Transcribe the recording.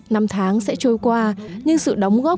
năm tháng sẽ trôi qua nhưng sự đóng góp